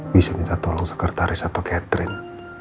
bisa minta tolong sekretaris atau catering